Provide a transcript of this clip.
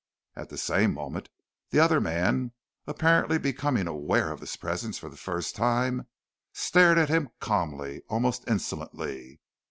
At the same moment the other man, apparently becoming aware of his presence for the first time, stared at him calmly, almost insolently.